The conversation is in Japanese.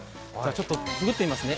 ちょっとくぐってみますね。